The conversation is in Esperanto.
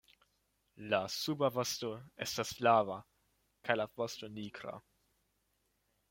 La suba vosto estas flava kaj la vosto nigra.